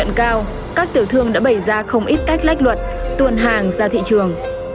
nó cứ trộn được thì nó trộn hơn